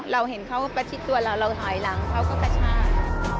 เราเห็นเขาประชิดตัวเราเราถอยหลังเขาก็กระชาก